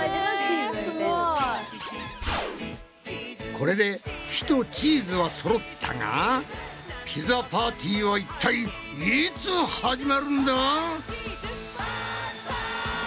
これで火とチーズはそろったがピザパーティーはいったいいつ始まるんだ！？